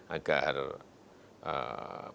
agar bisa masih berhasil